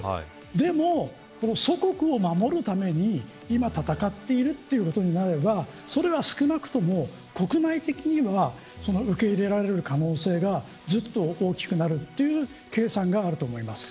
でも、祖国を守るために今、戦っているということになればそれは少なくとも、国内的には受け入れられる可能性がずっと大きくなるという計算があると思います。